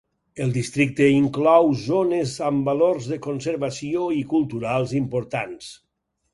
El districte inclou zones amb valors de conservació i culturals importants.